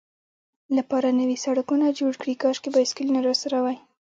لپاره نوي سړکونه جوړ کړي، کاشکې بایسکلونه راسره وای.